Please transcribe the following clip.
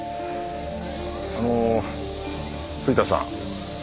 あの藤田さん。